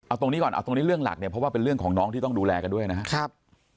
เอาตรงนี้ก่อนเอาตรงนี้เรื่องหลักเนี่ยเพราะว่าเป็นเรื่องของน้องที่ต้องดูแลกันด้วยนะครับ